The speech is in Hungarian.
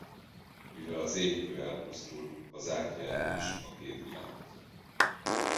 Mivel az Ékkő elpusztult az átjáró is a két világ között.